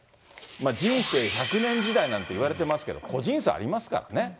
人生１００年時代なんていわれてますけど、個人差ありますからね。